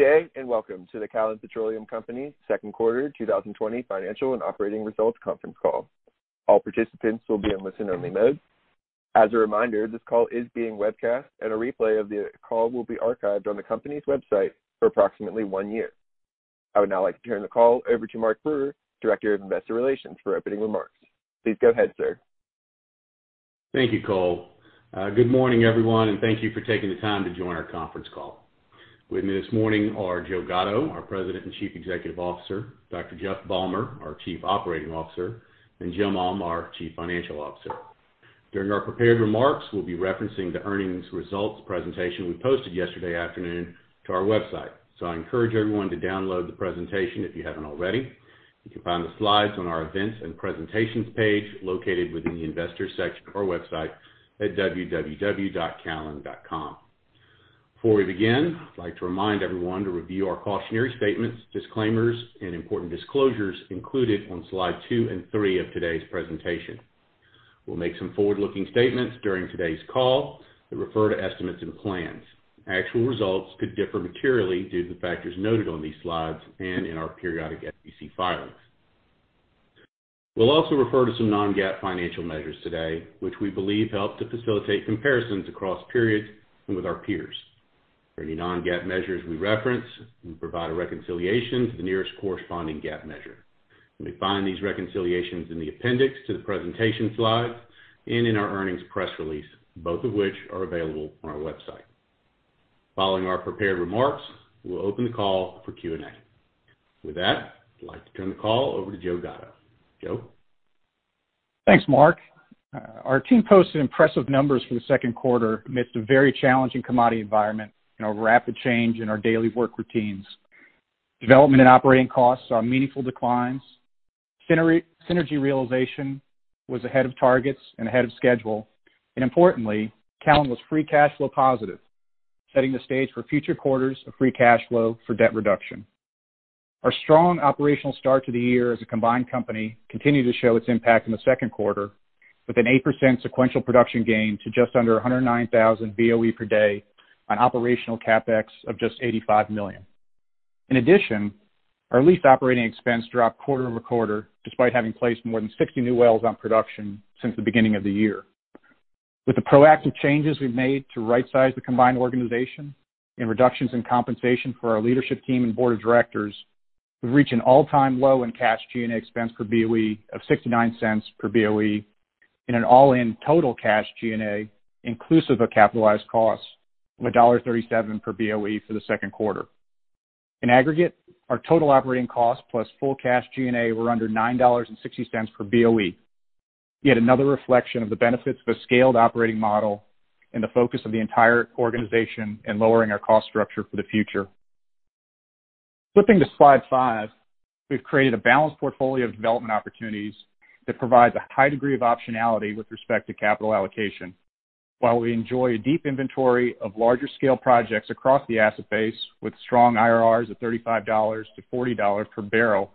Good day. Welcome to the Callon Petroleum Company second quarter 2020 financial and operating results conference call. All participants will be on listen-only mode. As a reminder, this call is being webcast, and a replay of the call will be archived on the company's website for approximately one year. I would now like to turn the call over to Mark Brewer, Director of Investor Relations, for opening remarks. Please go ahead, sir. Thank you, Cole. Good morning, everyone, thank you for taking the time to join our conference call. With me this morning are Joe Gatto, our President and Chief Executive Officer, Jeff Balmer, our Chief Operating Officer, and Jim Ulm, our Chief Financial Officer. During our prepared remarks, we'll be referencing the earnings results presentation we posted yesterday afternoon to our website. I encourage everyone to download the presentation if you haven't already. You can find the slides on our Events and Presentations page, located within the Investors section of our website at www.callon.com. Before we begin, I'd like to remind everyone to review our cautionary statements, disclaimers, and important disclosures included on slide two and three of today's presentation. We'll make some forward-looking statements during today's call that refer to estimates and plans. Actual results could differ materially due to the factors noted on these slides and in our periodic SEC filings. We'll also refer to some non-GAAP financial measures today, which we believe help to facilitate comparisons across periods and with our peers. For any non-GAAP measures we reference, we provide a reconciliation to the nearest corresponding GAAP measure. You may find these reconciliations in the appendix to the presentation slides and in our earnings press release, both of which are available on our website. Following our prepared remarks, we'll open the call for Q&A. With that, I'd like to turn the call over to Joe Gatto. Joe? Thanks, Mark. Our team posted impressive numbers for the second quarter amidst a very challenging commodity environment and a rapid change in our daily work routines. Development and operating costs saw meaningful declines. Synergy realization was ahead of targets and ahead of schedule. Importantly, Callon was free cash flow positive, setting the stage for future quarters of free cash flow for debt reduction. Our strong operational start to the year as a combined company continued to show its impact in the second quarter, with an 8% sequential production gain to just under 109,000 BOE per day on operational CapEx of just $85 million. In addition, our lease operating expense dropped quarter-over-quarter, despite having placed more than 60 new wells on production since the beginning of the year. With the proactive changes we've made to rightsize the combined organization and reductions in compensation for our leadership team and board of directors, we've reached an all-time low in cash G&A expense per BOE of $0.69 per BOE in an all-in total cash G&A inclusive of capitalized costs of $1.37 per BOE for the second quarter. In aggregate, our total operating costs plus full cash G&A were under $9.60 per BOE. Yet another reflection of the benefits of a scaled operating model and the focus of the entire organization in lowering our cost structure for the future. Flipping to slide five, we've created a balanced portfolio of development opportunities that provides a high degree of optionality with respect to capital allocation. While we enjoy a deep inventory of larger scale projects across the asset base with strong IRRs of $35-$40 per bbl,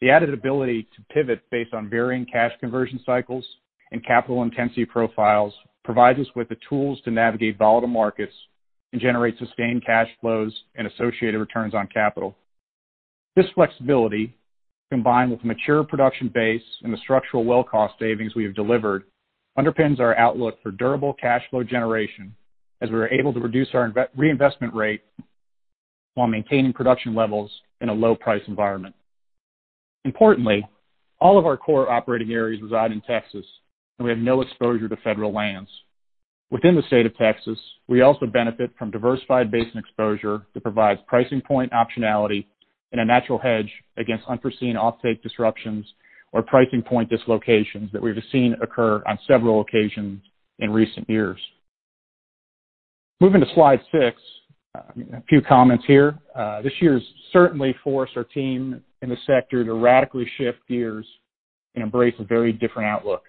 the added ability to pivot based on varying cash conversion cycles and capital intensity profiles provides us with the tools to navigate volatile markets and generate sustained cash flows and associated returns on capital. This flexibility, combined with a mature production base and the structural well cost savings we have delivered, underpins our outlook for durable cash flow generation as we are able to reduce our reinvestment rate while maintaining production levels in a low price environment. Importantly, all of our core operating areas reside in Texas, and we have no exposure to federal lands. Within the state of Texas, we also benefit from diversified basin exposure that provides pricing point optionality and a natural hedge against unforeseen offtake disruptions or pricing point dislocations that we've seen occur on several occasions in recent years. Moving to slide six, a few comments here. This year has certainly forced our team in the sector to radically shift gears and embrace a very different outlook.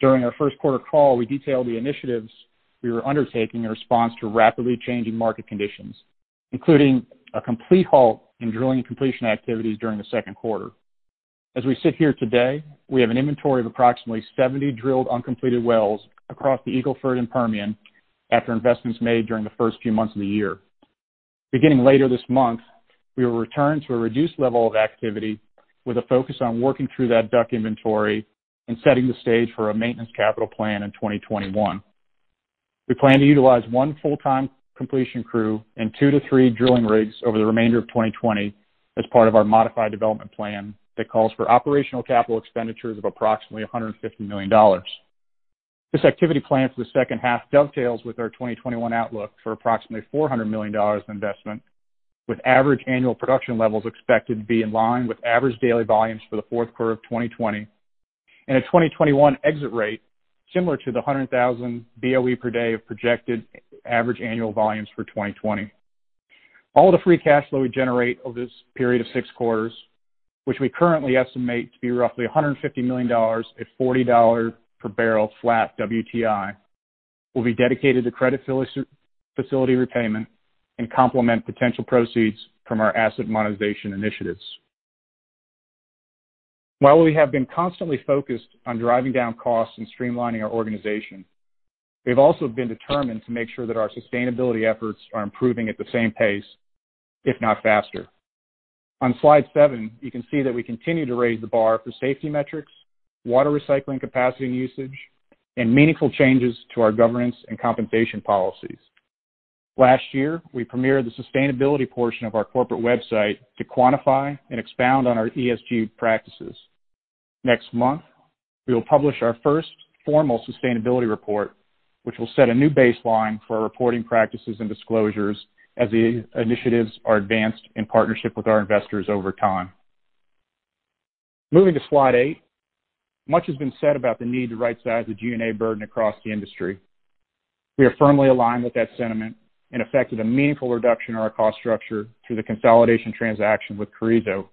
During our first quarter call, we detailed the initiatives we were undertaking in response to rapidly changing market conditions, including a complete halt in drilling completion activities during the second quarter. As we sit here today, we have an inventory of approximately 70 drilled uncompleted wells across the Eagle Ford and Permian after investments made during the first few months of the year. Beginning later this month, we will return to a reduced level of activity with a focus on working through that DUC inventory and setting the stage for a maintenance capital plan in 2021. We plan to utilize one full-time completion crew and two to three drilling rigs over the remainder of 2020 as part of our modified development plan that calls for operational capital expenditures of approximately $150 million. This activity plan for the second half dovetails with our 2021 outlook for approximately $400 million in investment, with average annual production levels expected to be in line with average daily volumes for the fourth quarter of 2020, and a 2021 exit rate similar to the 100,000 BOE per day of projected average annual volumes for 2020. All the free cash flow we generate over this period of six quarters, which we currently estimate to be roughly $150 million at $40/bbl flat WTI, will be dedicated to credit facility repayment and complement potential proceeds from our asset monetization initiatives. While we have been constantly focused on driving down costs and streamlining our organization, we've also been determined to make sure that our sustainability efforts are improving at the same pace, if not faster. On slide seven, you can see that we continue to raise the bar for safety metrics, water recycling capacity and usage, and meaningful changes to our governance and compensation policies. Last year, we premiered the sustainability portion of our corporate website to quantify and expound on our ESG practices. Next month, we will publish our first formal sustainability report, which will set a new baseline for our reporting practices and disclosures as the initiatives are advanced in partnership with our investors over time. Moving to slide eight. Much has been said about the need to right-size the G&A burden across the industry. We are firmly aligned with that sentiment and effected a meaningful reduction in our cost structure through the consolidation transaction with Carrizo.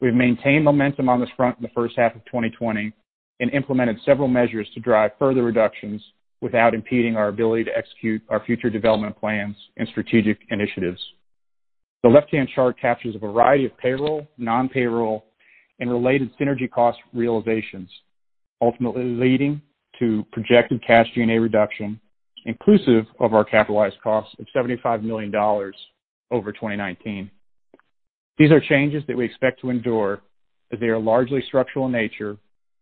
We've maintained momentum on this front in the first half of 2020 and implemented several measures to drive further reductions without impeding our ability to execute our future development plans and strategic initiatives. The left-hand chart captures a variety of payroll, non-payroll, and related synergy cost realizations, ultimately leading to projected cash G&A reduction, inclusive of our capitalized cost of $75 million over 2019. These are changes that we expect to endure, as they are largely structural in nature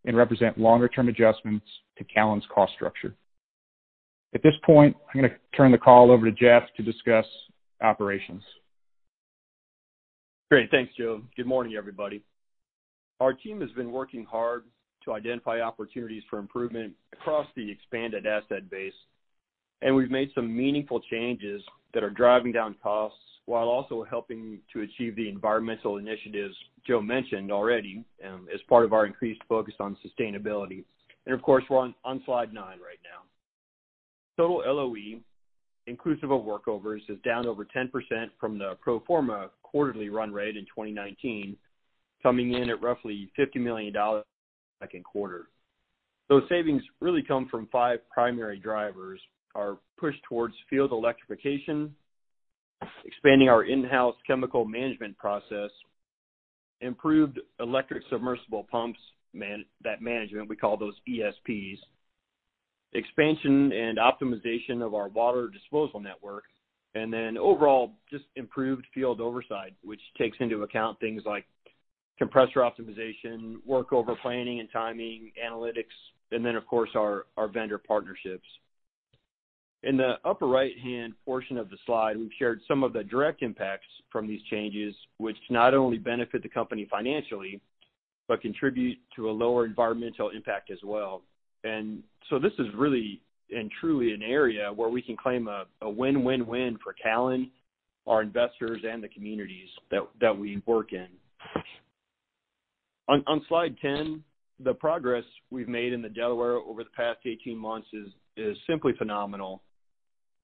and represent longer-term adjustments to Callon's cost structure. At this point, I'm going to turn the call over to Jeff to discuss operations. Great. Thanks, Joe. Good morning, everybody. Our team has been working hard to identify opportunities for improvement across the expanded asset base, and we've made some meaningful changes that are driving down costs while also helping to achieve the environmental initiatives Joe mentioned already as part of our increased focus on sustainability. Of course, we're on slide nine right now. Total LOE, inclusive of workovers, is down over 10% from the pro forma quarterly run rate in 2019, coming in at roughly $50 million second quarter. Those savings really come from five primary drivers: our push towards field electrification, expanding our in-house chemical management process, improved electric submersible pumps, that management, we call those ESPs, expansion and optimization of our water disposal network, overall, just improved field oversight, which takes into account things like compressor optimization, workover planning and timing, analytics, of course, our vendor partnerships. In the upper right-hand portion of the slide, we've shared some of the direct impacts from these changes, which not only benefit the company financially, contribute to a lower environmental impact as well. This is really and truly an area where we can claim a win-win-win for Callon, our investors, and the communities that we work in. On slide 10, the progress we've made in the Delaware over the past 18 months is simply phenomenal.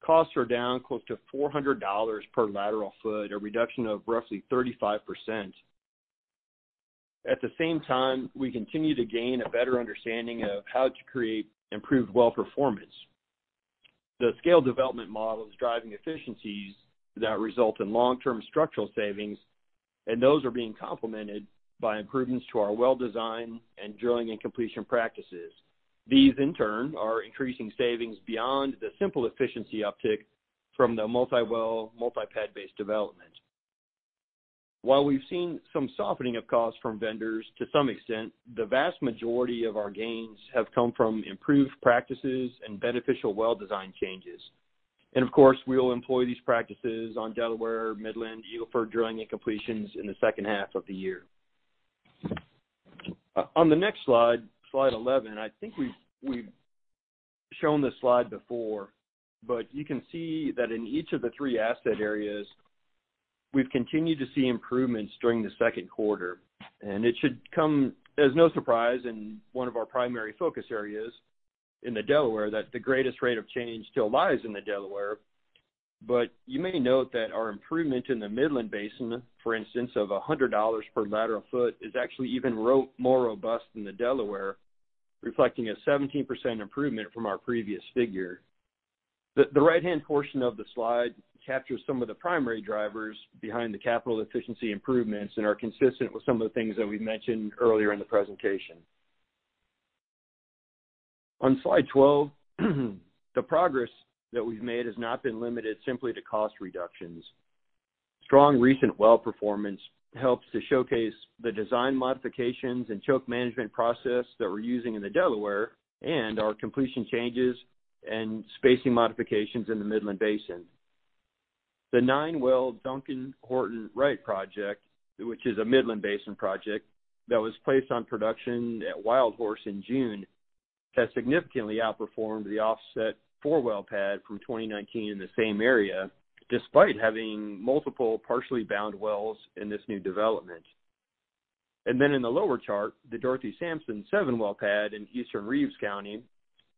Costs are down close to $400 per lateral ft, a reduction of roughly 35%. At the same time, we continue to gain a better understanding of how to create improved well performance. The scale development model is driving efficiencies that result in long-term structural savings, and those are being complemented by improvements to our well design and drilling and completion practices. These, in turn, are increasing savings beyond the simple efficiency uptick from the multi-well, multi-pad based development. While we've seen some softening of costs from vendors to some extent, the vast majority of our gains have come from improved practices and beneficial well design changes. Of course, we will employ these practices on Delaware, Midland, Eagle Ford drilling and completions in the second half of the year. On the next slide 11, I think we've shown this slide before, but you can see that in each of the three asset areas, we've continued to see improvements during the second quarter. It should come as no surprise in one of our primary focus areas in the Delaware that the greatest rate of change still lies in the Delaware. You may note that our improvement in the Midland Basin, for instance, of $100 per lateral ft is actually even more robust than the Delaware, reflecting a 17% improvement from our previous figure. The right-hand portion of the slide captures some of the primary drivers behind the capital efficiency improvements and are consistent with some of the things that we mentioned earlier in the presentation. On slide 12, the progress that we've made has not been limited simply to cost reductions. Strong recent well performance helps to showcase the design modifications and choke management process that we're using in the Delaware and our completion changes and spacing modifications in the Midland Basin. The nine-well Duncan Horton Wright project, which is a Midland Basin project that was placed on production at WildHorse in June, has significantly outperformed the offset four-well pad from 2019 in the same area, despite having multiple partially bound wells in this new development. In the lower chart, the Dorothy Sansom 7-well pad in eastern Reeves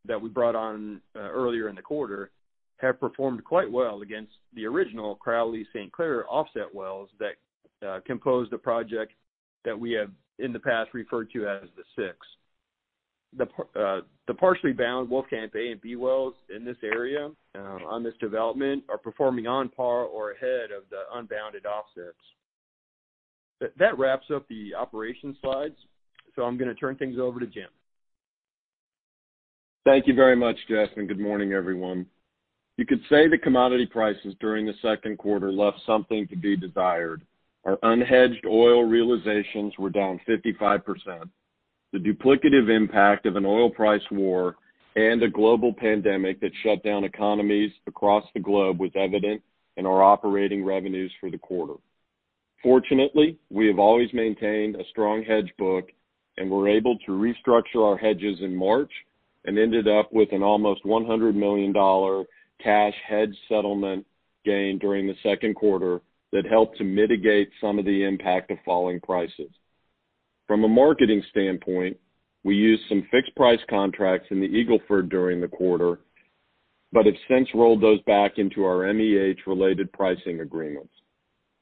County that we brought on earlier in the quarter, have performed quite well against the original Crowley St. Clair offset wells that compose the project that we have in the past referred to as the Six. The partially bound Wolfcamp A and B wells in this area, on this development, are performing on par or ahead of the unbounded offsets. That wraps up the operations slides. I'm going to turn things over to Jim. Thank you very much, Jeff, and good morning, everyone. You could say the commodity prices during the second quarter left something to be desired. Our unhedged oil realizations were down 55%. The duplicative impact of an oil price war and a global pandemic that shut down economies across the globe was evident in our operating revenues for the quarter. Fortunately, we have always maintained a strong hedge book and were able to restructure our hedges in March and ended up with an almost $100 million cash hedge settlement gain during the second quarter that helped to mitigate some of the impact of falling prices. From a marketing standpoint, we used some fixed price contracts in the Eagle Ford during the quarter, but have since rolled those back into our MEH-related pricing agreements.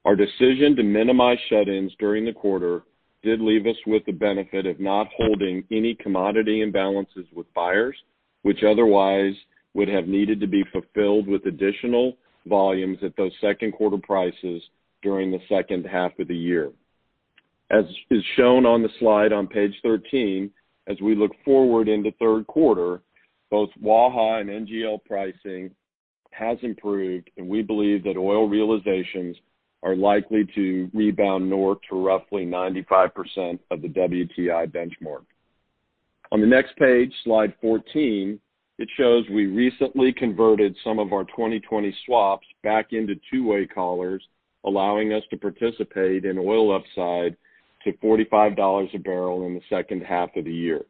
Our decision to minimize shut-ins during the quarter did leave us with the benefit of not holding any commodity imbalances with buyers, which otherwise would have needed to be fulfilled with additional volumes at those second quarter prices during the second half of the year. As is shown on the slide on page 13, as we look forward into third quarter, both Waha and NGL pricing has improved, and we believe that oil realizations are likely to rebound north to roughly 95% of the WTI benchmark. On the next page, slide 14, it shows we recently converted some of our 2020 swaps back into two-way collars, allowing us to participate in oil upside to $45 a bbl in the second half of the year.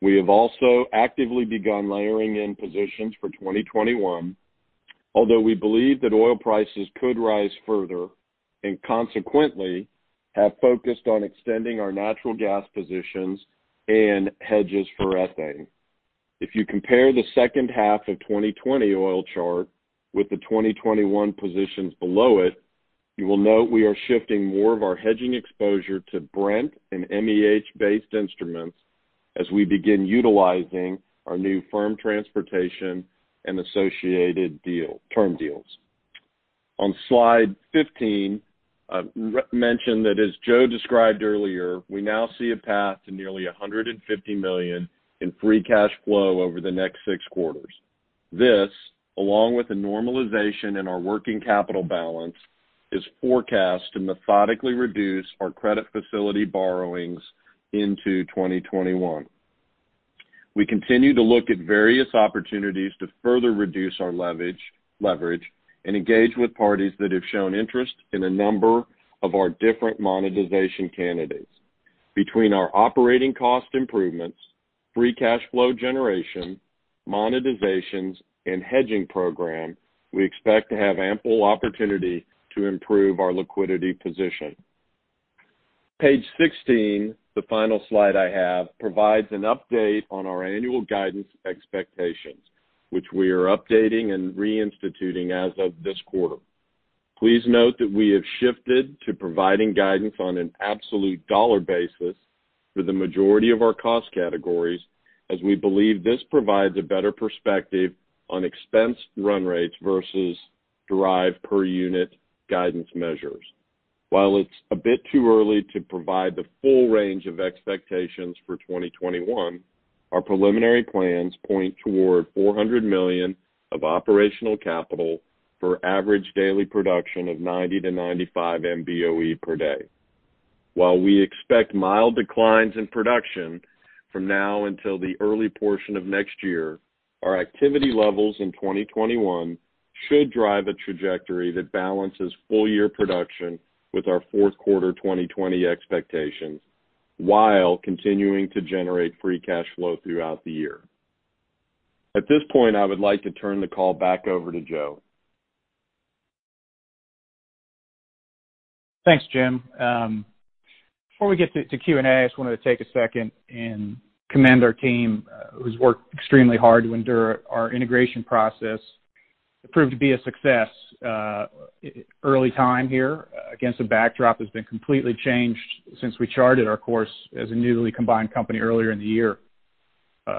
We have also actively begun layering in positions for 2021, although we believe that oil prices could rise further, and consequently, have focused on extending our natural gas positions and hedges for ethane. If you compare the second half of 2020 oil chart with the 2021 positions below it, you will note we are shifting more of our hedging exposure to Brent and MEH-based instruments as we begin utilizing our new firm transportation and associated term deals. On slide 15, I mentioned that as Joe described earlier, we now see a path to nearly $150 million in free cash flow over the next six quarters. This, along with the normalization in our working capital balance, is forecast to methodically reduce our credit facility borrowings into 2021. We continue to look at various opportunities to further reduce our leverage and engage with parties that have shown interest in a number of our different monetization candidates. Between our operating cost improvements, free cash flow generation, monetizations, and hedging program, we expect to have ample opportunity to improve our liquidity position. Page 16, the final slide I have, provides an update on our annual guidance expectations, which we are updating and reinstituting as of this quarter. Please note that we have shifted to providing guidance on an absolute dollar basis for the majority of our cost categories, as we believe this provides a better perspective on expense run rates versus derived per unit guidance measures. While it's a bit too early to provide the full range of expectations for 2021, our preliminary plans point toward $400 million of operational capital for average daily production of 90 MBOE to 95 MBOE per day. While we expect mild declines in production from now until the early portion of next year, our activity levels in 2021 should drive a trajectory that balances full-year production with our fourth quarter 2020 expectations while continuing to generate free cash flow throughout the year. At this point, I would like to turn the call back over to Joe. Thanks, Jim. Before we get to Q&A, I just wanted to take a second and commend our team, who's worked extremely hard to endure our integration process. It proved to be a success. Early time here, against a backdrop that's been completely changed since we charted our course as a newly combined company earlier in the year.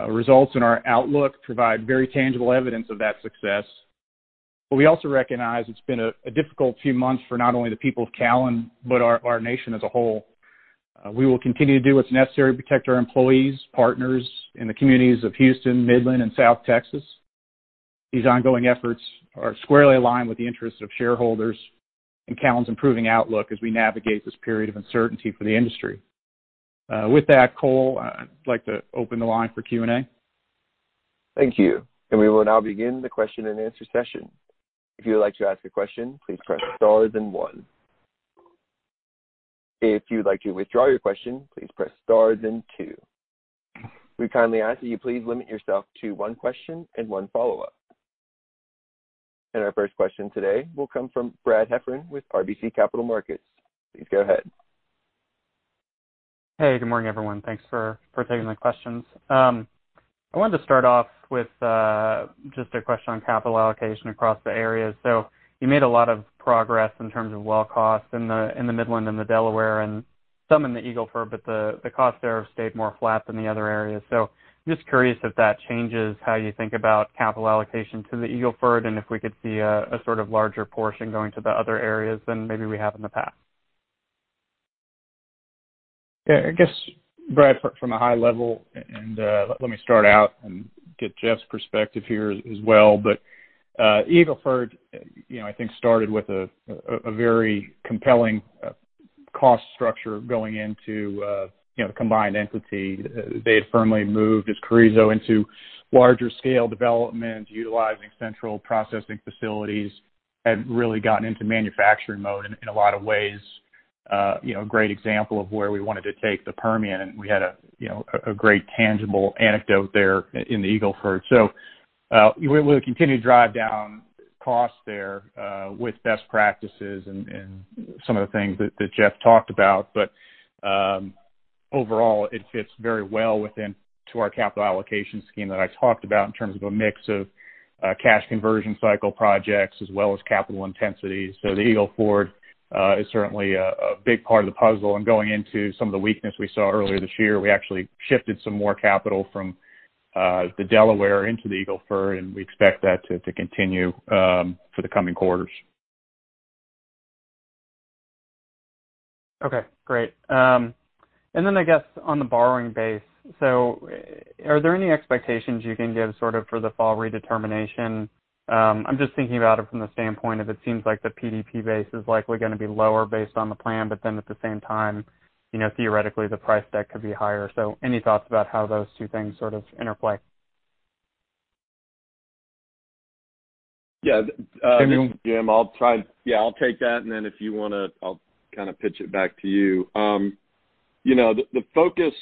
Results in our outlook provide very tangible evidence of that success. We also recognize it's been a difficult few months for not only the people of Callon, but our nation as a whole. We will continue to do what's necessary to protect our employees, partners in the communities of Houston, Midland, and South Texas. These ongoing efforts are squarely aligned with the interests of shareholders and Callon's improving outlook as we navigate this period of uncertainty for the industry. With that, Cole, I'd like to open the line for Q&A. Thank you. We will now begin the question and answer session. If you would like to ask a question, please press star then one. If you'd like to withdraw your question, please press star then two. We kindly ask that you please limit yourself to one question and one follow-up. Our first question today will come from Brad Heffern with RBC Capital Markets. Please go ahead. Hey, good morning, everyone. Thanks for taking my questions. I wanted to start off with just a question on capital allocation across the areas. You made a lot of progress in terms of well cost in the Midland and the Delaware, and some in the Eagle Ford, but the cost there have stayed more flat than the other areas. Just curious if that changes how you think about capital allocation to the Eagle Ford and if we could see a sort of larger portion going to the other areas than maybe we have in the past. I guess, Brad, from a high level, let me start out and get Jeff's perspective here as well, Eagle Ford I think started with a very compelling cost structure going into the combined entity. They had firmly moved as Carrizo into larger scale development, utilizing central processing facilities, and really gotten into manufacturing mode in a lot of ways. A great example of where we wanted to take the Permian, and we had a great tangible anecdote there in the Eagle Ford. We'll continue to drive down costs there with best practices and some of the things that Jeff talked about. Overall, it fits very well within to our capital allocation scheme that I talked about in terms of a mix of cash conversion cycle projects as well as capital intensity. The Eagle Ford is certainly a big part of the puzzle. Going into some of the weakness we saw earlier this year, we actually shifted some more capital from the Delaware into the Eagle Ford, and we expect that to continue for the coming quarters. Okay, great. I guess on the borrowing base, are there any expectations you can give sort of for the fall redetermination? I'm just thinking about it from the standpoint of it seems like the PDP base is likely going to be lower based on the plan. At the same time, theoretically, the price deck could be higher. Any thoughts about how those two things sort of interplay? Yeah. Jim. I'll try. Yeah, I'll take that. Then if you want to, I'll kind of pitch it back to you. The focus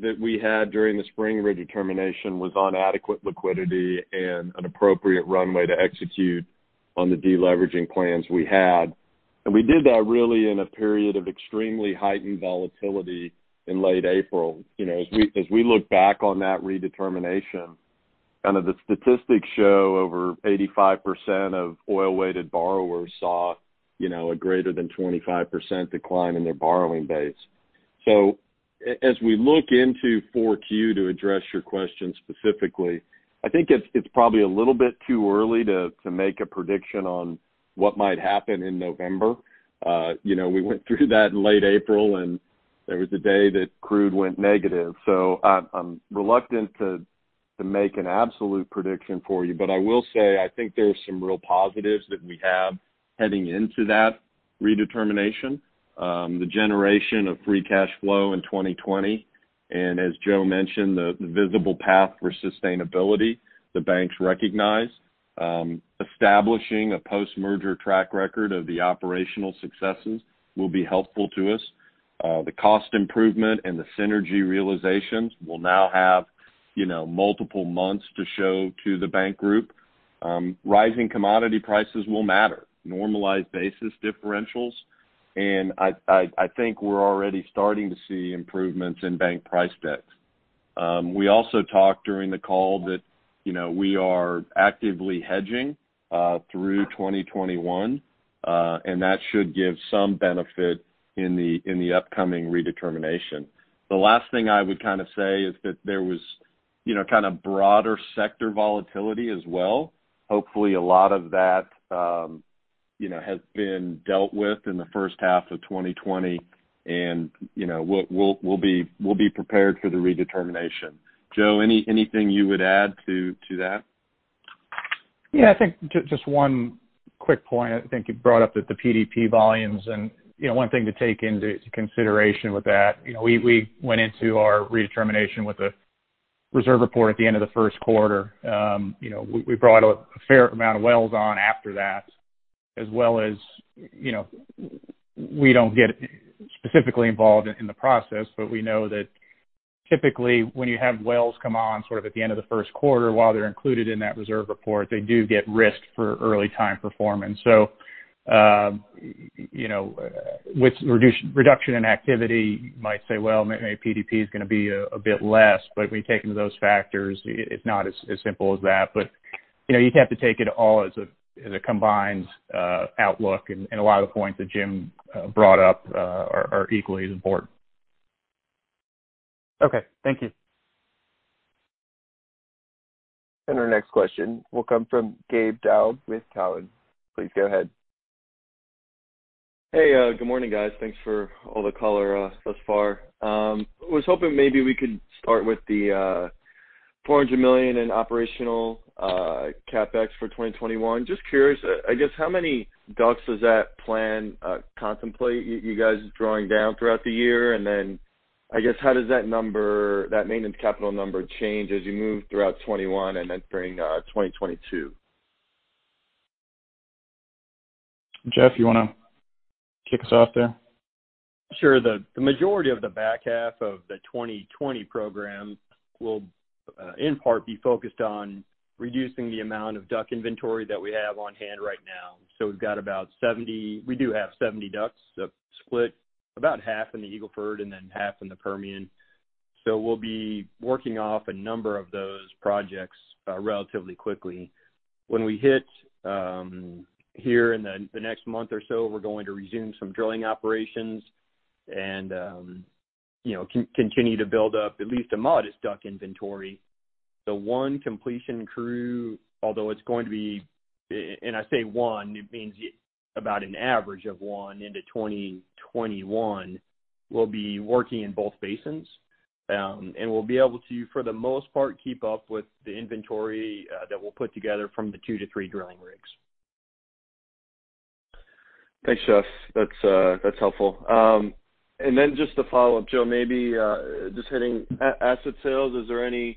that we had during the spring redetermination was on adequate liquidity and an appropriate runway to execute on the deleveraging plans we had. We did that really in a period of extremely heightened volatility in late April. As we look back on that redetermination, kind of the statistics show over 85% of oil-weighted borrowers saw a greater than 25% decline in their borrowing base. As we look into 4Q to address your question specifically, I think it's probably a little bit too early to make a prediction on what might happen in November. We went through that in late April, and there was a day that crude went negative. I'm reluctant to make an absolute prediction for you. I will say, I think there's some real positives that we have heading into that redetermination. The generation of free cash flow in 2020, and as Joe mentioned, the visible path for sustainability the banks recognize. Establishing a post-merger track record of the operational successes will be helpful to us. The cost improvement and the synergy realizations will now have multiple months to show to the bank group. Rising commodity prices will matter, normalized basis differentials, and I think we're already starting to see improvements in bank price decks. We also talked during the call that we are actively hedging through 2021. That should give some benefit in the upcoming redetermination. The last thing I would kind of say is that there was kind of broader sector volatility as well. Hopefully, a lot of that has been dealt with in the first half of 2020, and we'll be prepared for the redetermination. Joe, anything you would add to that? Yeah, I think just one quick point. I think you brought up that the PDP volumes and one thing to take into consideration with that, we went into our redetermination with a reserve report at the end of the first quarter. We brought a fair amount of wells on after that, as well as we don't get specifically involved in the process, but we know that typically, when you have wells come on sort of at the end of the first quarter, while they're included in that reserve report, they do get risked for early time performance. With reduction in activity, you might say, well, maybe PDP is going to be a bit less, but when you take into those factors, it's not as simple as that. You have to take it all as a combined outlook, and a lot of the points that Jim brought up are equally as important. Okay. Thank you. Our next question will come from Gabe Daoud with Cowen. Please go ahead. Hey, good morning, guys. Thanks for all the color thus far. I was hoping maybe we could start with the $400 million in operational CapEx for 2021. Just curious, I guess how many DUCs does that plan contemplate you guys drawing down throughout the year? Then I guess how does that number, that maintenance capital number change as you move throughout 2021 and then during 2022? Jeff, you want to kick us off there? Sure. The majority of the back half of the 2020 program will, in part, be focused on reducing the amount of DUC inventory that we have on hand right now. We've got about 70 DUCs. We do have 70 DUCs split About half in the Eagle Ford and then half in the Permian. We'll be working off a number of those projects relatively quickly. When we hit here in the next month or so, we're going to resume some drilling operations and continue to build up at least a modest DUC inventory. The one completion crew, although it's going to be, and I say one, it means about an average of one into 2021, will be working in both basins. We'll be able to, for the most part, keep up with the inventory that we'll put together from the two to three drilling rigs. Thanks, Jeff. That's helpful. Then just to follow up, Joe, maybe just hitting asset sales, is there any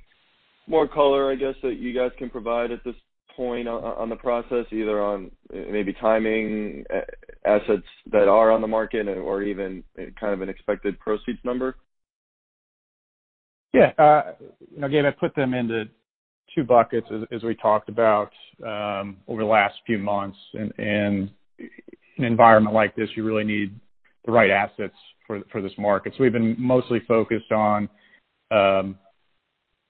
more color, I guess, that you guys can provide at this point on the process, either on maybe timing assets that are on the market or even kind of an expected proceeds number? Yeah. Again, I put them into two buckets as we talked about over the last few months. In an environment like this, you really need the right assets for this market. We've been mostly focused on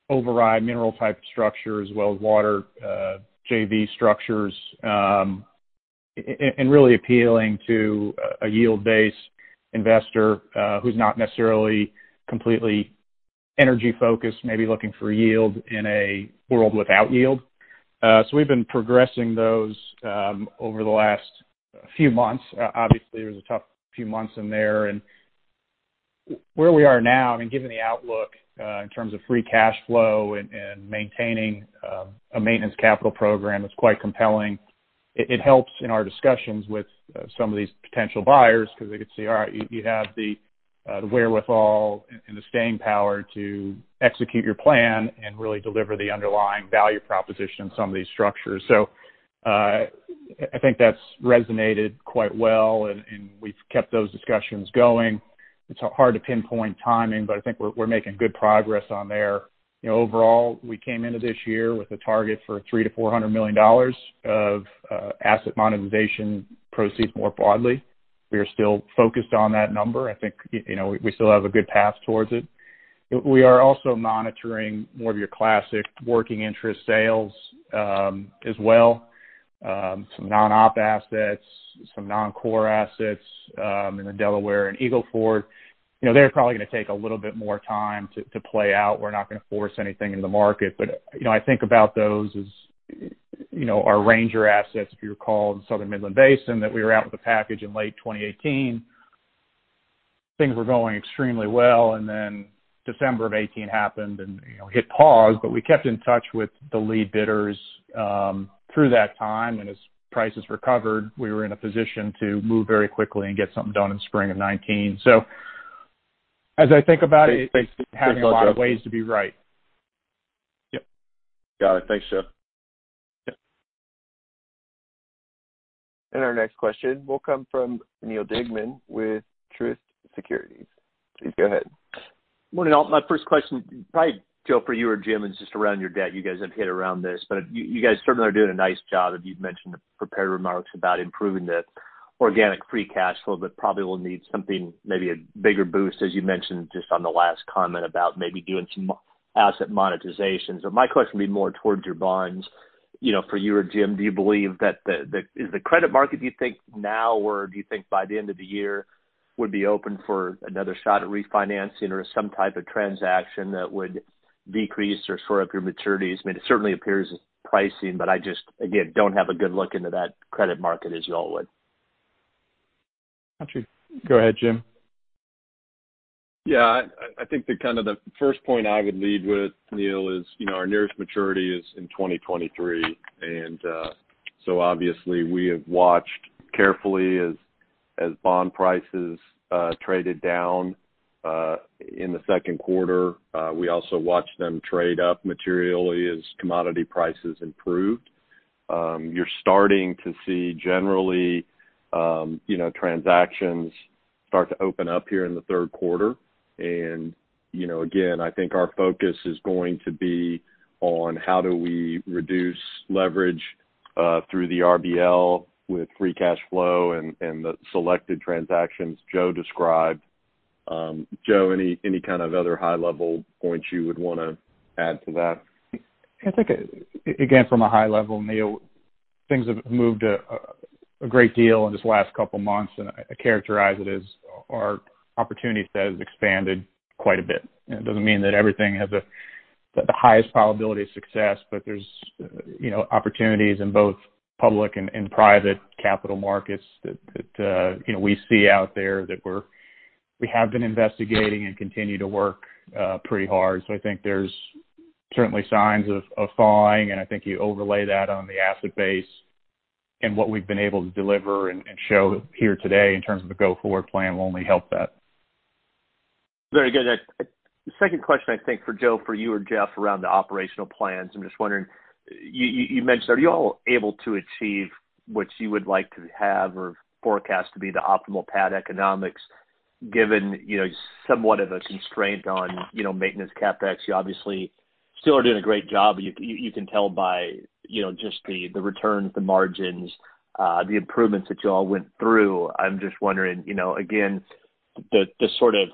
override mineral type structure as well as water JV structures, and really appealing to a yield-based investor who's not necessarily completely energy-focused, maybe looking for yield in a world without yield. We've been progressing those over the last few months. Obviously, there was a tough few months in there. Where we are now, and given the outlook in terms of free cash flow and maintaining a maintenance capital program, it's quite compelling. It helps in our discussions with some of these potential buyers because they could see, all right, you have the wherewithal and the staying power to execute your plan and really deliver the underlying value proposition in some of these structures. I think that's resonated quite well, and we've kept those discussions going. It's hard to pinpoint timing, but I think we're making good progress on there. Overall, we came into this year with a target for $300 million-$400 million of asset monetization proceeds more broadly. We are still focused on that number. I think we still have a good path towards it. We are also monitoring more of your classic working interest sales as well. Some non-op assets, some non-core assets in the Delaware and Eagle Ford. They're probably going to take a little bit more time to play out. We're not going to force anything into the market. I think about those as our Ranger assets, if you recall, in Southern Midland Basin, that we were out with a package in late 2018. Things were going extremely well, December of 2018 happened and hit pause, we kept in touch with the lead bidders through that time. As prices recovered, we were in a position to move very quickly and get something done in spring of 2019. As I think about it. Thanks. Having a lot of ways to be right. Yep. Got it. Thanks, Joe. Yep. Our next question will come from Neal Dingmann with Truist Securities. Please go ahead. Morning, all. My first question, probably Joe, for you or Jim, is just around your debt. You guys have hit around this, you guys certainly are doing a nice job. You've mentioned the prepared remarks about improving the organic free cash flow, but probably will need something, maybe a bigger boost, as you mentioned, just on the last comment about maybe doing some asset monetization. My question would be more towards your bonds. For you or Jim, do you believe that is the credit market, do you think now, or do you think by the end of the year would be open for another shot at refinancing or some type of transaction that would decrease or shore up your maturities? I mean, it certainly appears as pricing, but I just, again, don't have a good look into that credit market as you all would. Actually, go ahead, Jim. I think the kind of the first point I would lead with, Neal, is our nearest maturity is in 2023. Obviously we have watched carefully as bond prices traded down in the second quarter. We also watched them trade up materially as commodity prices improved. You're starting to see generally transactions start to open up here in the third quarter. I think our focus is going to be on how do we reduce leverage through the RBL with free cash flow and the selected transactions Joe described. Joe, any kind of other high-level points you would want to add to that? I think, again, from a high level, Neal, things have moved a great deal in this last couple of months. I characterize it as our opportunity set has expanded quite a bit. It doesn't mean that everything has the highest probability of success. There's opportunities in both public and private capital markets that we see out there that we have been investigating and continue to work pretty hard. I think there's certainly signs of thawing. I think you overlay that on the asset base and what we've been able to deliver and show here today in terms of the go-forward plan will only help that. Very good. The second question, I think for Joe, for you or Jeff, around the operational plans. I'm just wondering, you mentioned, are you all able to achieve what you would like to have or forecast to be the optimal pad economics, given somewhat of a constraint on maintenance CapEx? You obviously still are doing a great job. You can tell by just the returns, the margins, the improvements that you all went through. I'm just wondering, again, the sort of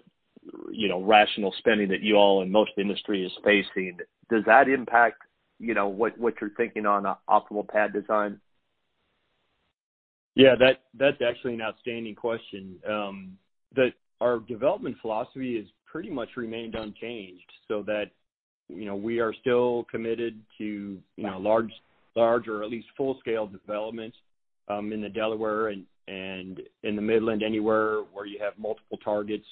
rational spending that you all and most of the industry is facing, does that impact what you're thinking on optimal pad design? Yeah, that's actually an outstanding question. Our development philosophy has pretty much remained unchanged, that we are still committed to large or at least full-scale development in the Delaware and in the Midland, anywhere where you have multiple targets,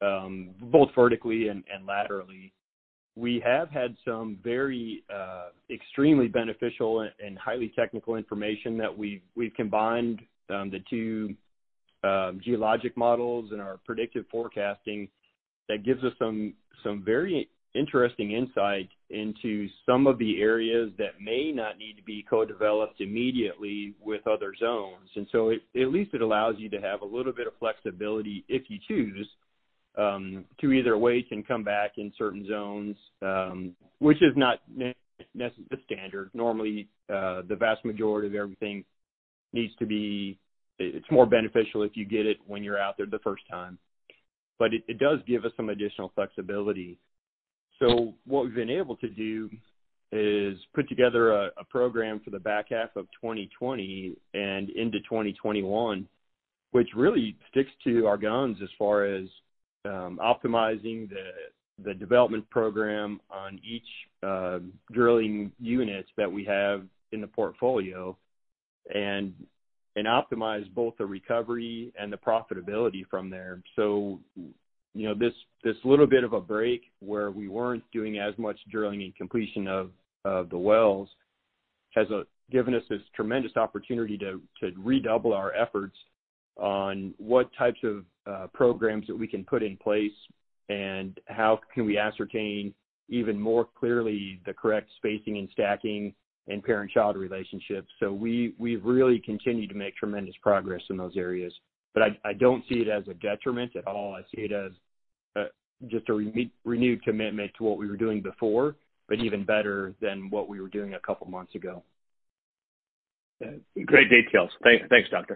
both vertically and laterally. We have had some very extremely beneficial and highly technical information that we've combined the two geologic models in our predictive forecasting that gives us some very interesting insight into some of the areas that may not need to be co-developed immediately with other zones. At least it allows you to have a little bit of flexibility, if you choose, to either wait and come back in certain zones, which is not the standard. Normally, the vast majority of everything needs to be. It's more beneficial if you get it when you're out there the first time. It does give us some additional flexibility. What we've been able to do is put together a program for the back half of 2020 and into 2021, which really sticks to our guns as far as optimizing the development program on each drilling unit that we have in the portfolio and optimize both the recovery and the profitability from there. This little bit of a break where we weren't doing as much drilling and completion of the wells has given us this tremendous opportunity to redouble our efforts on what types of programs that we can put in place and how can we ascertain even more clearly the correct spacing and stacking and parent-child relationships. We've really continued to make tremendous progress in those areas. I don't see it as a detriment at all. I see it as just a renewed commitment to what we were doing before, but even better than what we were doing a couple of months ago. Great details. Thanks, Jeff.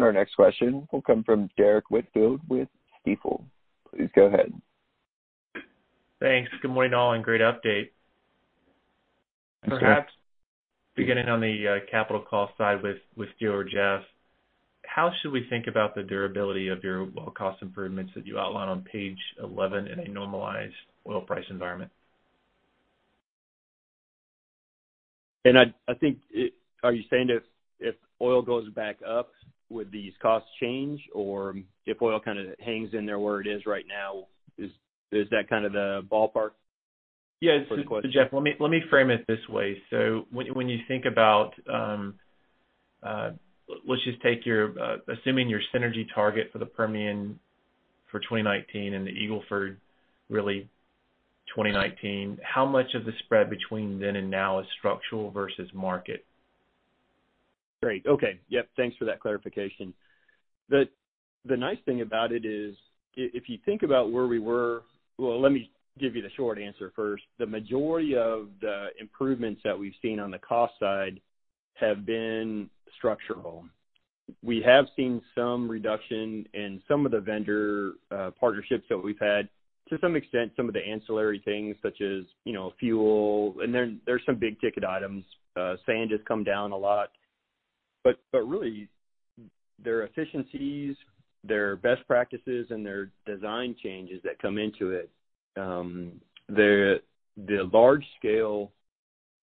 Our next question will come from Derrick Whitfield with Stifel. Please go ahead. Thanks. Good morning, all, and great update. Thanks, Derrick. Perhaps beginning on the capital cost side with you or Jeff, how should we think about the durability of your well cost improvements that you outline on page 11 in a normalized oil price environment? I think. Are you saying if oil goes back up, would these costs change? If oil kind of hangs in there where it is right now, is that kind of the ballpark for the question? Yeah. Jeff, let me frame it this way. When you think about, let's just take your, assuming your synergy target for the Permian for 2019 and the Eagle Ford really 2019, how much of the spread between then and now is structural versus market? Great. Okay. Yep, thanks for that clarification. The nice thing about it is, if you think about where we were Well, let me give you the short answer first. The majority of the improvements that we've seen on the cost side have been structural. We have seen some reduction in some of the vendor partnerships that we've had. To some extent, some of the ancillary things such as fuel, and there's some big-ticket items. Sand has come down a lot. Really, there are efficiencies, there are best practices, and there are design changes that come into it. The large-scale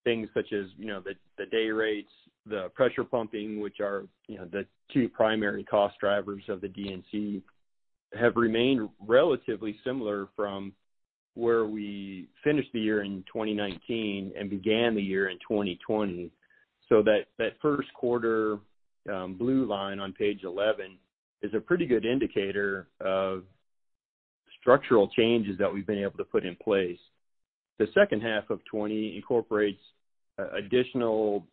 things such as the day rates, the pressure pumping, which are the two primary cost drivers of the D&C, have remained relatively similar from where we finished the year in 2019 and began the year in 2020. That first quarter blue line on page 11 is a pretty good indicator of structural changes that we've been able to put in place. The second half of 2020 incorporates additional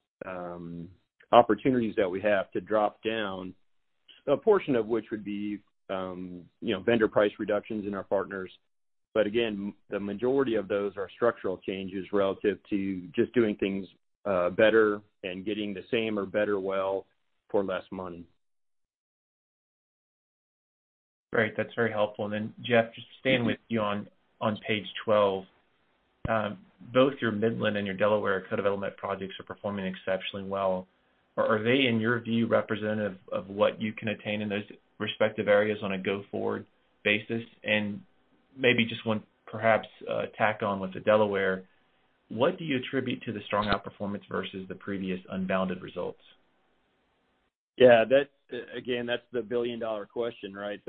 opportunities that we have to drop down, a portion of which would be vendor price reductions in our partners. Again, the majority of those are structural changes relative to just doing things better and getting the same or better well for less money. Great. That's very helpful. Jeff, just staying with you on page 12. Both your Midland and your Delaware co-development projects are performing exceptionally well. Are they, in your view, representative of what you can attain in those respective areas on a go-forward basis? Maybe just one perhaps tack on with the Delaware, what do you attribute to the strong outperformance versus the previous unbounded results? Yeah. Again, that's the billion-dollar question, right?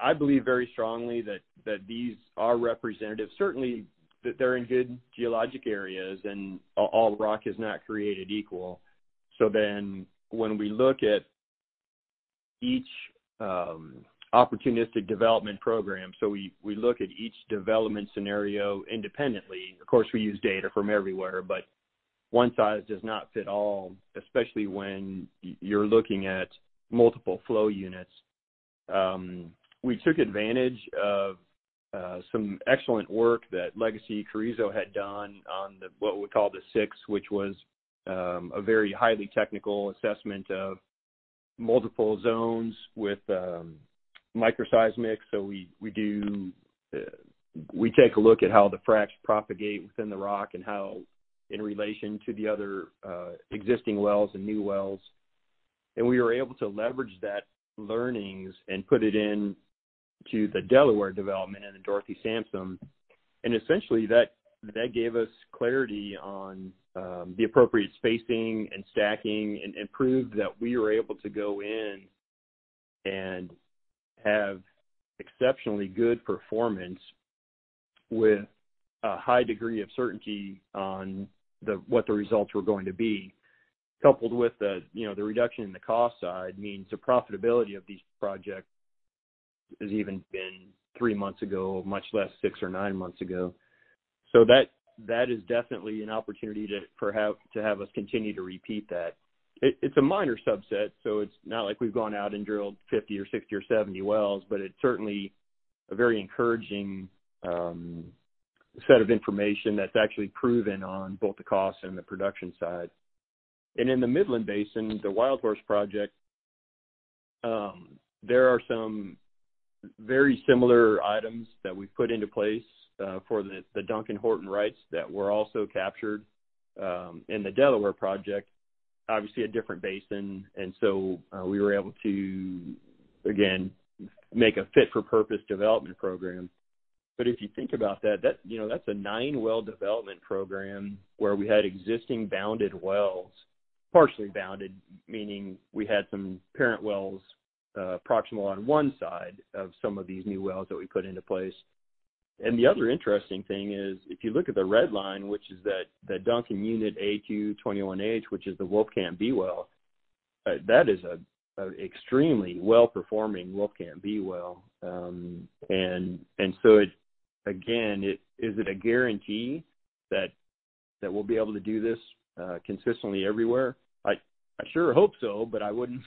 I believe very strongly that these are representative. Certainly, they're in good geologic areas, and all rock is not created equal. When we look at each opportunistic development program, so we look at each development scenario independently. Of course, we use data from everywhere, but one size does not fit all, especially when you're looking at multiple flow units. We took advantage of some excellent work that legacy Carrizo had done on what we call the Six, which was a very highly technical assessment of multiple zones with microseismic. We take a look at how the fracs propagate within the rock and how in relation to the other existing wells and new wells. We were able to leverage that learnings and put it in to the Delaware development and the Dorothy Sampson. Essentially that gave us clarity on the appropriate spacing and stacking, and proved that we were able to go in and have exceptionally good performance with a high degree of certainty on what the results were going to be. Coupled with the reduction in the cost side means the profitability of these projects has even been three months ago, much less six or nine months ago. That is definitely an opportunity to have us continue to repeat that. It's a minor subset, so it's not like we've gone out and drilled 50 or 60 or 70 wells, but it's certainly a very encouraging set of information that's actually proven on both the cost and the production side. In the Midland Basin, the WildHorse project, there are some very similar items that we've put into place for the Duncan Horton Wright that were also captured in the Delaware project, obviously a different basin. We were able to, again, make a fit-for-purpose development program. If you think about that's a nine-well development program where we had existing bounded wells, partially bounded, meaning we had some parent wells proximal on one side of some of these new wells that we put into place. The other interesting thing is, if you look at the red line, which is that Duncan unit AQ21H, which is the Wolfcamp B well, that is an extremely well-performing Wolfcamp B well. Again, is it a guarantee that we'll be able to do this consistently everywhere? I sure hope so, but I wouldn't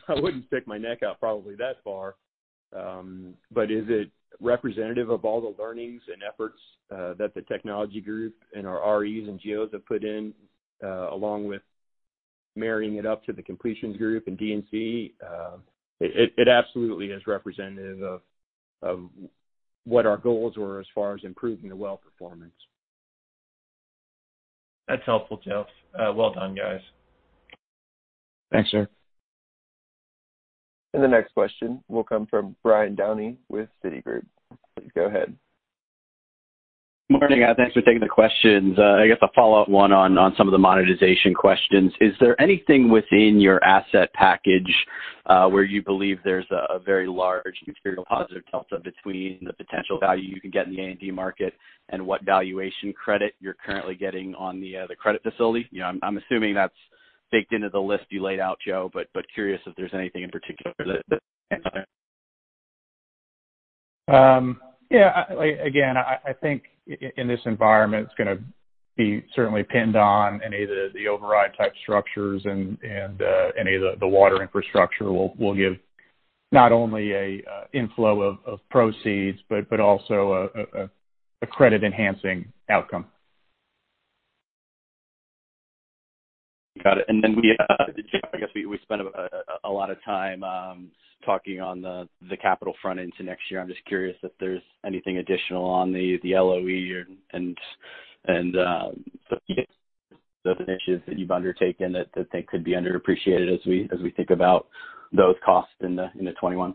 stick my neck out probably that far. Is it representative of all the learnings and efforts that the technology group and our REs and GEOs have put in, along with marrying it up to the completions group and D&C? It absolutely is representative of what our goals were as far as improving the well performance. That's helpful, Joe. Well done, guys. Thanks, sir. The next question will come from Brian Downey with Citigroup. Please go ahead. Morning, guys. Thanks for taking the questions. I guess I'll follow up one on some of the monetization questions. Is there anything within your asset package, where you believe there's a very large material positive delta between the potential value you can get in the A&D market and what valuation credit you're currently getting on the other credit facility? I'm assuming that's baked into the list you laid out, Joe, but curious if there's anything in particular that stands out. Yeah. Again, I think in this environment, it's going to be certainly pinned on any of the override type structures and any of the water infrastructure will give not only a inflow of proceeds, but also a credit-enhancing outcome. Got it. Joe, I guess we spent a lot of time talking on the capital front into next year. I'm just curious if there's anything additional on the LOE and those initiatives that you've undertaken that could be underappreciated as we think about those costs in 2021.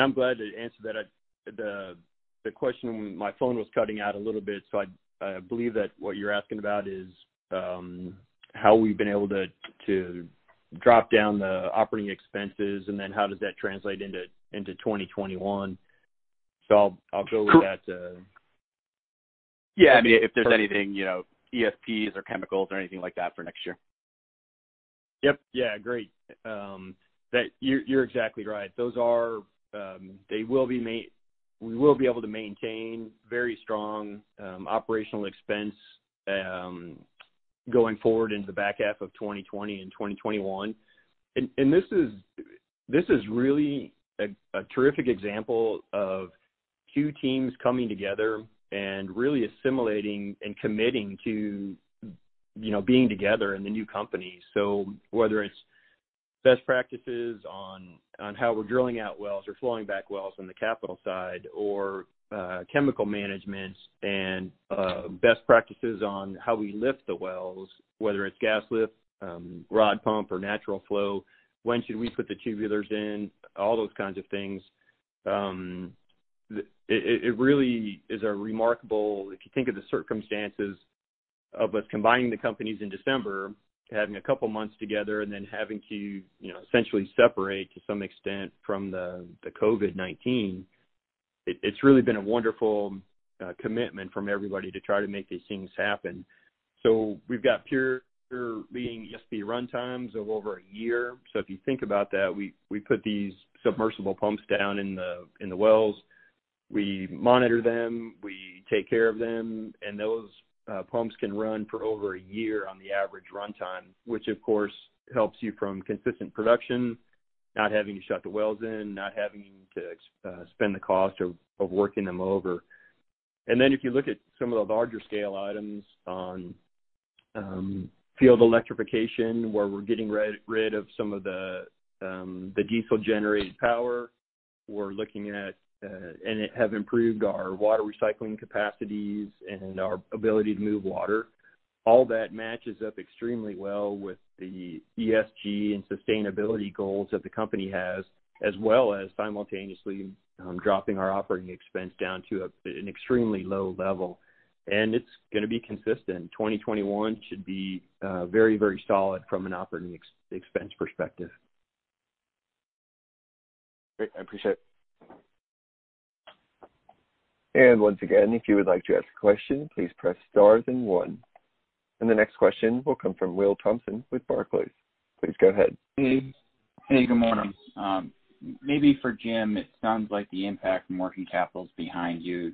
I'm glad to answer that. The question, my phone was cutting out a little bit, so I believe that what you're asking about is how we've been able to drop down the operating expenses, and then how does that translate into 2021? I'll go with that. Yeah, if there's anything, ESPs or chemicals or anything like that for next year. Yep. Yeah, great. You're exactly right. We will be able to maintain very strong operational expense going forward into the back half of 2020 and 2021. This is really a terrific example of two teams coming together and really assimilating and committing to being together in the new company. Whether it's best practices on how we're drilling out wells or flowing back wells on the capital side or chemical management and best practices on how we lift the wells, whether it's gas lift, rod pump, or natural flow, when should we put the tubulars in, all those kinds of things. It really is remarkable, if you think of the circumstances of us combining the companies in December, having a couple of months together, and then having to essentially separate to some extent from the COVID-19. It's really been a wonderful commitment from everybody to try to make these things happen. We've got peer-leading ESP run times of over a year. If you think about that, we put these submersible pumps down in the wells. We monitor them, we take care of them, and those pumps can run for over a year on the average runtime, which of course helps you from consistent production, not having to shut the wells in, not having to spend the cost of working them over. If you look at some of the larger scale items on field electrification, where we're getting rid of some of the diesel-generated power, it has improved our water recycling capacities and our ability to move water. All that matches up extremely well with the ESG and sustainability goals that the company has, as well as simultaneously dropping our OpEx down to an extremely low level. It's going to be consistent. 2021 should be very solid from an OpEx perspective. Great. I appreciate it. Once again, if you would like to ask a question, please press star then one. The next question will come from Will Thompson with Barclays. Please go ahead. Hey. Good morning. Maybe for Jim, it sounds like the impact from working capital is behind you.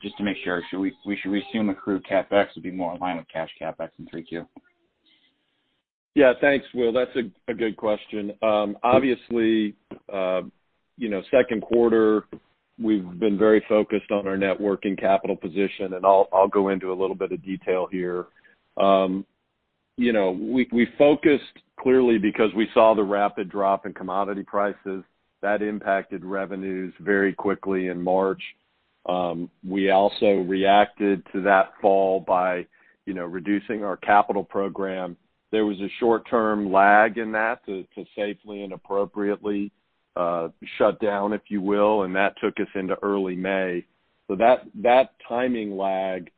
Just to make sure, should we assume accrued CapEx would be more in line with cash CapEx in 3Q? Yeah, thanks, Will. That's a good question. Obviously, second quarter, we've been very focused on our net working capital position, and I'll go into a little bit of detail here. We focused clearly because we saw the rapid drop in commodity prices. That impacted revenues very quickly in March. We also reacted to that fall by reducing our capital program. There was a short-term lag in that to safely and appropriately shut down, if you will, and that took us into early May. That timing lag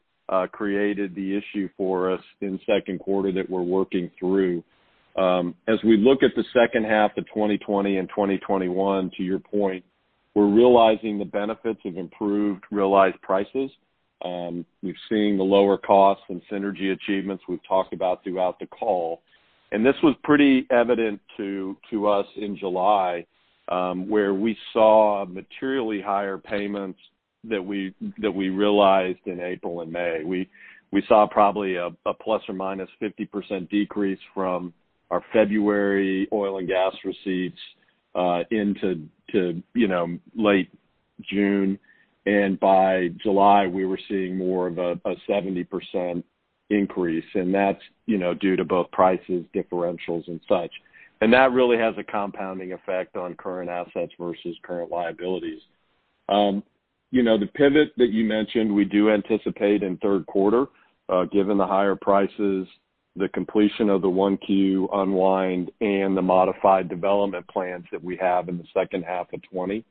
created the issue for us in second quarter that we're working through. As we look at the second half of 2020 and 2021, to your point, we're realizing the benefits of improved realized prices. We've seen the lower costs and synergy achievements we've talked about throughout the call. This was pretty evident to us in July, where we saw materially higher payments that we realized in April and May. We saw probably a ±50% decrease from our February oil and gas receipts into late June. By July, we were seeing more of a 70% increase, and that's due to both prices, differentials, and such. That really has a compounding effect on current assets versus current liabilities. The pivot that you mentioned, we do anticipate in third quarter, given the higher prices, the completion of the 1Q unwind, and the modified development plans that we have in the second half of 2020.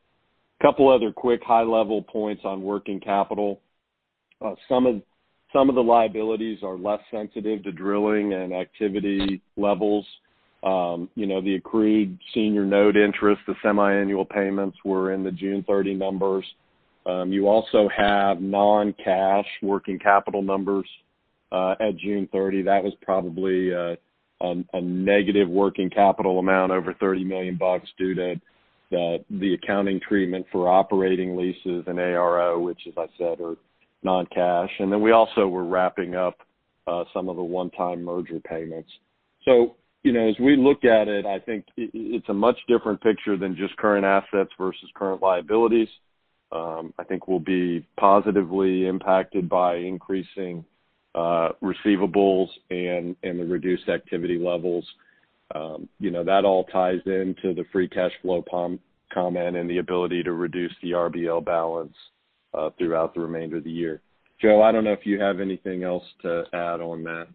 Couple other quick high-level points on working capital. Some of the liabilities are less sensitive to drilling and activity levels. The accrued senior note interest, the semi-annual payments were in the June 30 numbers. You also have non-cash working capital numbers at June 30. That was probably a negative working capital amount, over $30 million, due to the accounting treatment for operating leases and ARO, which as I said, are non-cash. Then we also were wrapping up some of the one-time merger payments. As we look at it, I think it's a much different picture than just current assets versus current liabilities. I think we'll be positively impacted by increasing receivables and the reduced activity levels. That all ties into the free cash flow comment and the ability to reduce the RBL balance throughout the remainder of the year. Joe, I don't know if you have anything else to add on that.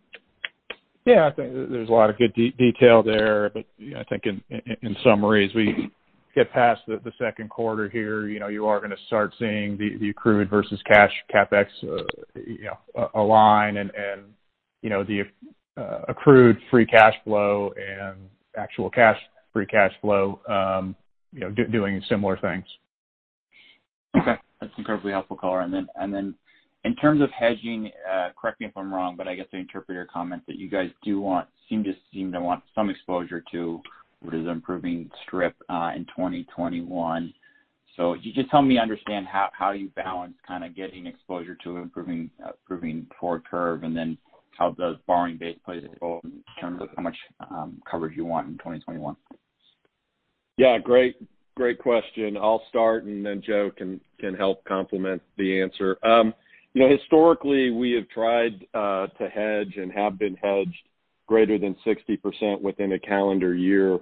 Yeah, I think there's a lot of good detail there, but I think in summary, as we get past the second quarter here, you are going to start seeing the accrued versus cash CapEx align and the accrued free cash flow and actual free cash flow doing similar things. Okay. That's incredibly helpful color. In terms of hedging, correct me if I'm wrong, but I guess I interpret your comment that you guys seem to want some exposure to what is improving strip in 2021. Just help me understand how you balance kind of getting exposure to improving forward curve, and then how does borrowing base play role in terms of how much coverage you want in 2021? Yeah, great question. I'll start and then Joe can help complement the answer. Historically, we have tried to hedge and have been hedged greater than 60% within a calendar year.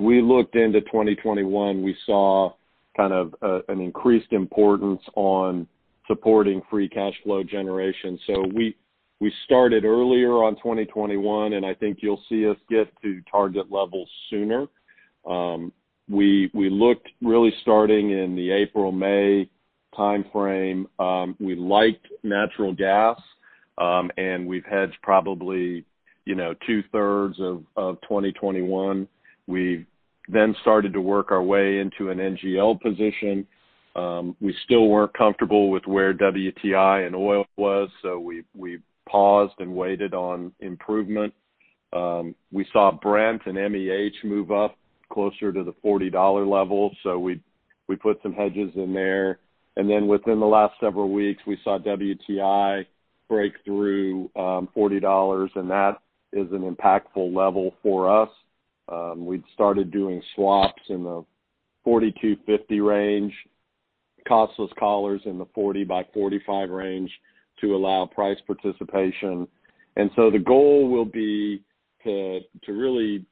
We looked into 2021, we saw kind of an increased importance on supporting free cash flow generation. We started earlier on 2021, and I think you'll see us get to target levels sooner. We looked really starting in the April-May timeframe. We liked natural gas, and we've hedged probably 2/3 of 2021. We then started to work our way into an NGL position. We still weren't comfortable with where WTI and oil was, we paused and waited on improvement. We saw Brent and MEH move up closer to the $40 level, we put some hedges in there. Within the last several weeks, we saw WTI break through $40, and that is an impactful level for us. We'd started doing swaps in the $40-$50 range, costless collars in the $40 by $45 range to allow price participation. The goal will be to really,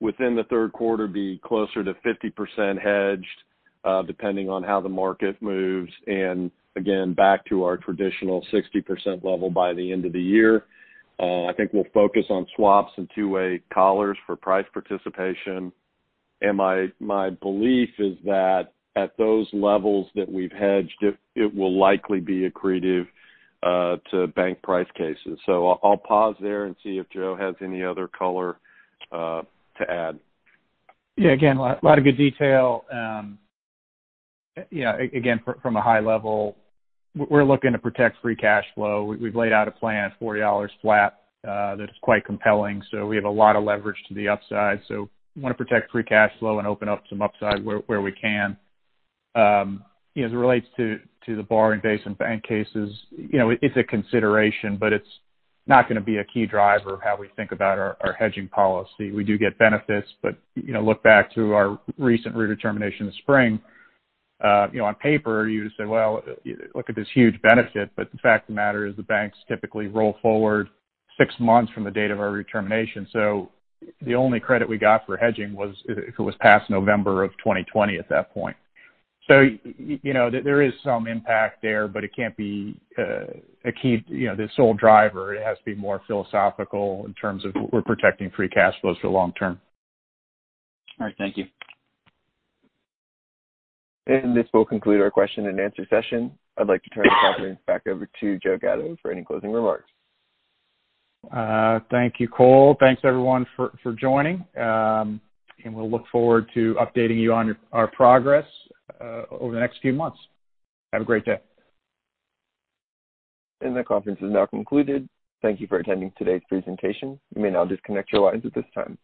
within the third quarter, be closer to 50% hedged, depending on how the market moves, and again, back to our traditional 60% level by the end of the year. I think we'll focus on swaps and two-way collars for price participation. My belief is that at those levels that we've hedged, it will likely be accretive to bank price cases. I'll pause there and see if Joe has any other color to add. Yeah. Again, a lot of good detail. Again, from a high level, we're looking to protect free cash flow. We've laid out a plan at $40 flat that is quite compelling. We have a lot of leverage to the upside. We want to protect free cash flow and open up some upside where we can. As it relates to the borrowing base and bank cases, it's a consideration, but it's not going to be a key driver of how we think about our hedging policy. We do get benefits, but look back to our recent redetermination this spring. On paper, you would say, "Well, look at this huge benefit," but the fact of the matter is the banks typically roll forward six months from the date of our redetermination. The only credit we got for hedging was if it was past November of 2020 at that point. There is some impact there, but it can't be the sole driver. It has to be more philosophical in terms of we're protecting free cash flows for the long term. All right. Thank you. This will conclude our question and answer session. I'd like to turn the conference back over to Joe Gatto for any closing remarks. Thank you, Cole. Thanks, everyone, for joining. We'll look forward to updating you on our progress over the next few months. Have a great day. The conference is now concluded. Thank you for attending today's presentation. You may now disconnect your lines at this time.